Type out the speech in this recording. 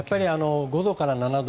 ５度から７度。